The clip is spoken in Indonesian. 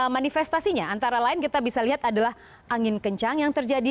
manifestasinya antara lain kita bisa lihat adalah angin kencang yang terjadi